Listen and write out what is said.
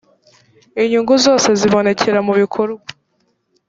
inyungu zose zibonekera mubikorwa.